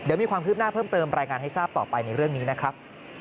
เดี๋ยวมีความคืบหน้าเพิ่มเติมรายงานให้ทราบต่อไปในเรื่องนี้นะครับ